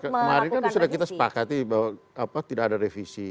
kemarin kan sudah kita sepakati bahwa tidak ada revisi